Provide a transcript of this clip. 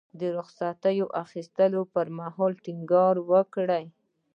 د خصت اخیستلو پر مهال ټینګار وکړ.